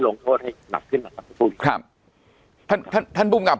ลงโทษให้หนักขึ้นมาครับครับท่านท่านท่านท่านปุ่มกลับ